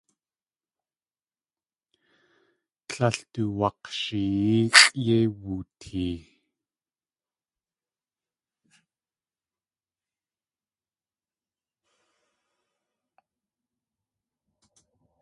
Tlél du wak̲shiyeexʼ yéi wutee.